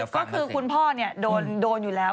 ก็คือคุณพ่อโดนอยู่แล้ว